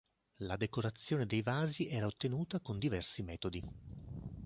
La decorazione dei vasi era ottenuta con diversi metodi.